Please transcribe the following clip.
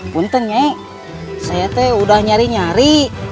bukannya saya tuh udah nyari nyari